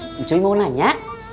ujung ujungnya mau nanya